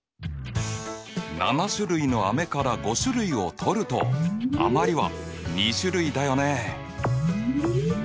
７種類のあめから５種類をとると余りは２種類だよね。